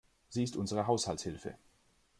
Sie ist unsere Haushaltshilfe.